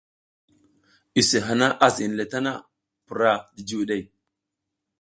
Use hana a ziʼinle tana, pura jijiwiɗey.